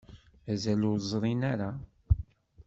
Mazal ur ẓṛin ara.